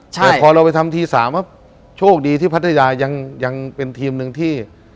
แต่พอเราไปทำที๓โชคดีที่พัทยายังเป็นทีมหนึ่งที่